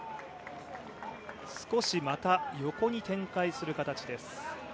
少しまた、横に展開する形です。